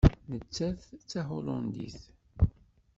Nettat d Tahulandit.